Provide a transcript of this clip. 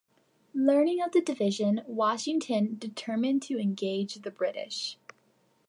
Learning of the division, Washington determined to engage the British.